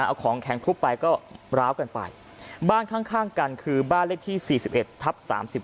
เอาของแข็งทุบไปก็ร้าวกันไปบ้านข้างกันคือบ้านเลขที่๔๑ทับ๓๙